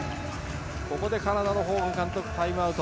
ここでカナダのホーグ監督タイムアウト。